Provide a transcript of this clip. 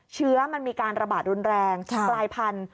เชื้อมันมีการระบาดรุนแรงกลายพันธุ